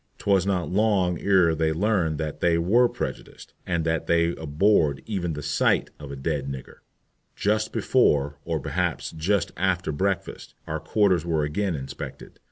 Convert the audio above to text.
'Twas not long ere they learned that they were prejudiced, and that they abhorred even the sight of a "d d nigger." Just before, or perhaps just after breakfast, our quarters were again inspected.